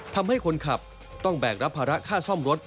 ทำให้คนขับต้องแบกรับภาระค่าซ่อมรถ